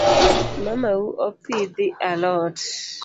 Mamau opidhi alot?